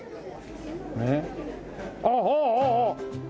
ああああああ！